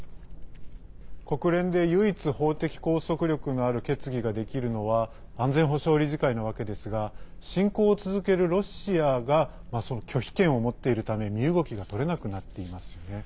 国連で唯一、法的拘束力のある決議ができるのは安全保障理事会なわけですが侵攻を続けるロシアがその拒否権を持っているため身動きが取れなくなっていますよね。